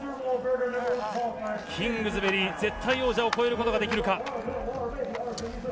キングズベリー、絶対王者を超えることができるか。